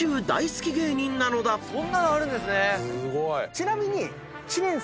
ちなみに。